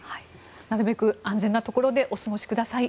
なるべく安全なところでお過ごしください。